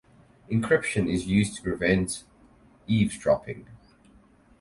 Encryption is used to prevent eavesdropping.